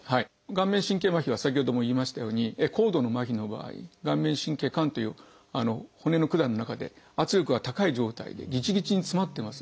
顔面神経麻痺は先ほども言いましたように高度の麻痺の場合顔面神経管という骨の管の中で圧力が高い状態でぎちぎちに詰まってます。